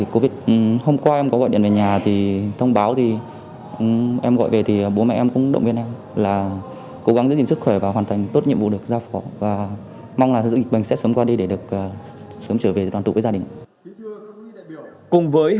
cảm ơn các bạn đã theo dõi